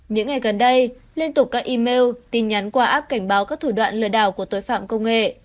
những ngày gần đây liên tục các email tin nhắn qua app cảnh báo các thủ đoạn lừa đảo của tội phạm công nghệ